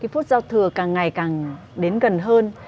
phút giao thừa càng ngày càng đến gần hơn